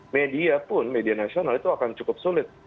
media pun media nasional itu akan cukup sulit